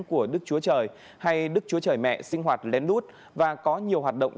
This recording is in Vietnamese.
của đức chúa trời hay đức chúa trời mẹ sinh hoạt lén lút và có nhiều hoạt động